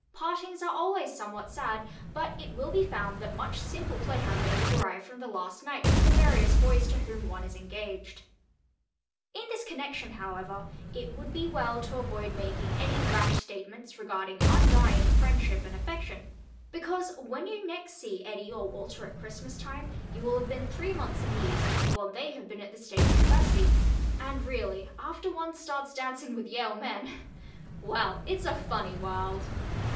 Partings are always somewhat sad, but it will be found that much simple pleasure may be derived from the last nights with the various boys to whom one is engaged. In this connection, however, it would be well to avoid making any rash statements regarding undying friendship and affection, because, when you next see Eddie or Walter, at Christmas time, you will have been three months in the East, while they have been at the State University, and really, after one starts dancing with Yale men—well, it's a funny world.